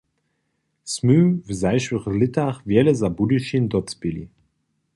Smy w zašłych lětach wjele za Budyšin docpěli.